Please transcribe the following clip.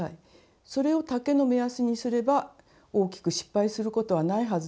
それを丈の目安にすれば大きく失敗することはないはずです。